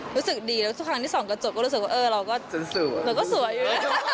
รู้สึกดีแล้วทุกครั้งที่สองกระจกก็รู้สึกว่าเออเราก็สวย